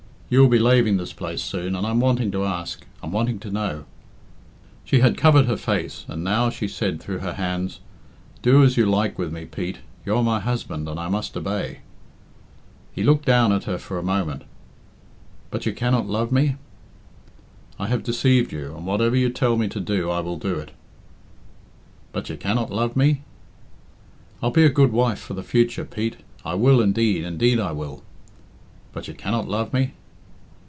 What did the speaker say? You'll be laving this place soon, and I'm wanting to ask I'm wanting to know " She had covered her face, and now she said through her hands, "Do as you like with me, Pete. You are my husband, and I must obey." He looked down at her for a moment. "But you cannot love me?" "I have deceived you, and whatever you tell me to do I will do it." "But you cannot love me?" "I'll be a good wife for the future* Pete I will, indeed, indeed I will." "But you cannot love me?"